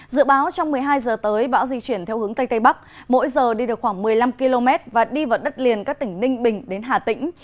dự báo trong một mươi hai h tới bão di chuyển theo hướng tây tây bắc mỗi giờ đi được khoảng một mươi năm km và đi vào đất liền các tỉnh ninh bình đến hà tĩnh